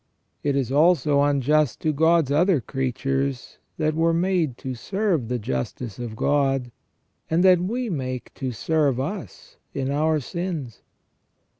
It is also unjust to God's other creatures that were made to serve the justice of God, and that we make to serve us in our sins.